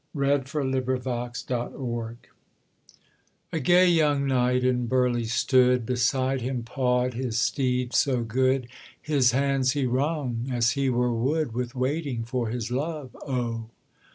1847. THE YOUNG KNIGHT: A PARABLE A gay young knight in Burley stood, Beside him pawed his steed so good, His hands he wrung as he were wood With waiting for his love O!